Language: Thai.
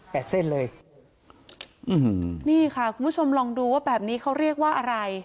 เส้นเลยอืมนี่ค่ะคุณผู้ชมลองดูว่าแบบนี้เขาเรียกว่าอะไร